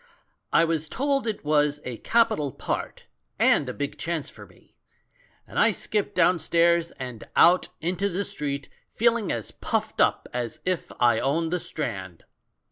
I was told it was a capital part, and a big chance for me, and I skipped downstairs and out into the street, feel ing as pufFed up as if I owned the Strand.